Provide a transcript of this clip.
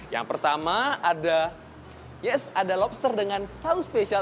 yang pertama ada lobster dengan saus spesial